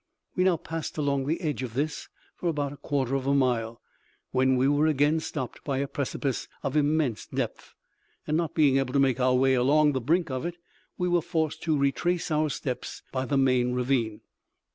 We now passed along the edge of this for about a quarter of a mile, when we were again stopped by a precipice of immense depth, and, not being able to make our way along the brink of it, we were forced to retrace our steps by the main ravine.